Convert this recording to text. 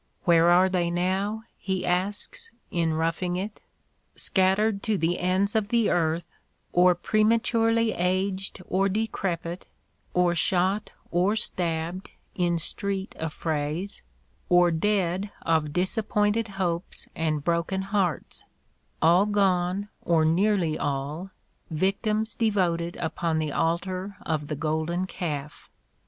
Where are they now? he asks in "Roughing It." "Scattered to the ends of the earth, or prematurely aged or decrepit — or shot or stabbed in street affrays — or dead of dis appointed hopes and broken hearts — all gone, or nearly all, victims devoted upon the altar of the golden calf."